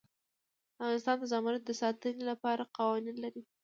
افغانستان د زمرد د ساتنې لپاره قوانین لري.